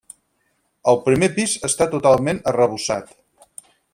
El primer pis està totalment arrebossat.